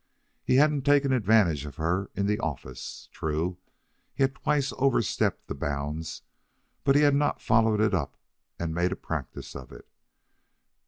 He hadn't taken advantage of her in the office. True, he had twice overstepped the bounds, but he had not followed it up and made a practice of it.